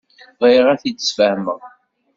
Bɣiɣ ad t-id-sfehmeɣ.